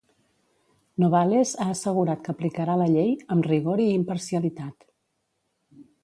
Novales ha assegurat que aplicarà la llei "amb rigor i imparcialitat".